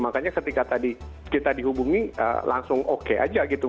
makanya ketika tadi kita dihubungi langsung oke aja gitu